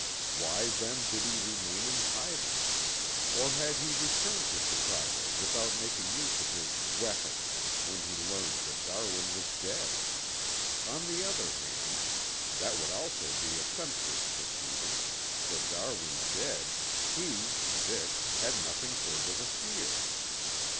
Why then did he remain in hiding, or had he returned to Chicago without making use of his "weapon" when he learned that Darwin was dead? On the other hand, that would also be a senseless proceeding, for Darwin dead, he, Dick, had nothing further to fear.